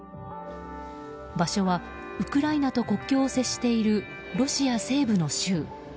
現場はウクライナと国境を接しているロシア西部の州。